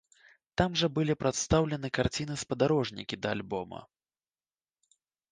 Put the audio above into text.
Там жа былі прадстаўлены карціны-спадарожнікі да альбома.